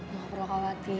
gak perlu khawatir